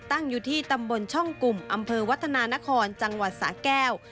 ตั้งอยู่ที่ตำบลช่องกลุ่มอำเภอวัฒนานครจังหวัดสะแก้ว